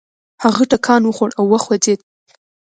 هغه ټکان وخوړ او وخوځېد.